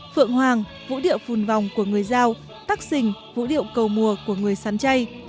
phượng hoàng vũ điệu phùn vòng của người giao tắc xình vũ điệu cầu mùa của người sán chay